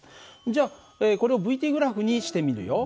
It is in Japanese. じゃこれをυ−ｔグラフにしてみるよ。